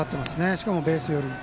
しかもベース寄り。